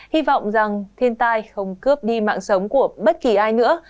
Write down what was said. hy vọng rằng thiên tai không cướp đi mạng sống của bất kỳ ai nữa